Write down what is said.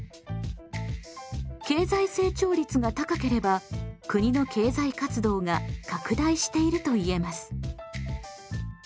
経済成長率が高ければ国の経済活動が拡大していると言えます。